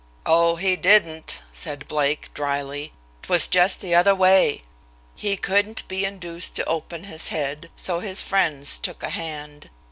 "Oh, he didn't," said Blake, drily. "'Twas just the other way. He couldn't be induced to open his head, so his friends took a hand.